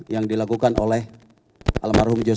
yang dilakukan oleh almarhum joshua